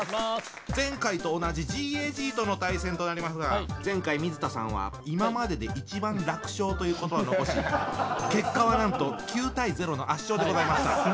前回と同じＧＡＧとの対戦となりますが前回水田さんは「今までで一番楽勝」という言葉を残し結果はなんと９対０の圧勝でございました。